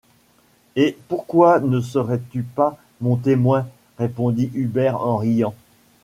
Eh! pourquoi ne serais-tu pas mon témoin?... répondit Hubert en riant.